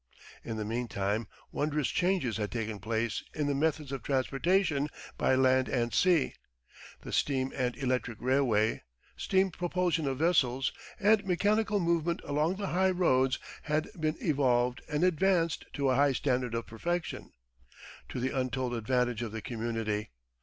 In the meantime wondrous changes had taken place in the methods of transportation by land and sea. The steam and electric railway, steam propulsion of vessels, and mechanical movement along the highroads had been evolved and advanced to a high standard of perfection, to the untold advantage of the community.